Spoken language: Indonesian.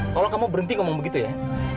kalau kamu berhenti ngomong begitu ya